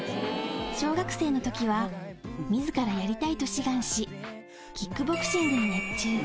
小学生のときはみずからやりたいと志願し、キックボクシングに熱中。